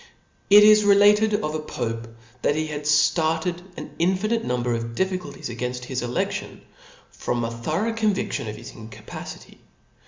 ^ It is related of a pope, that he had darted an infinite number of difficulties againft his eledlion, from a thorough convidlion of his incapacity.